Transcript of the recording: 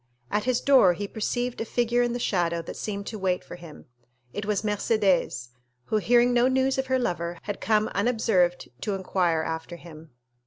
At his door he perceived a figure in the shadow that seemed to wait for him. It was Mercédès, who, hearing no news of her lover, had come unobserved to inquire after him.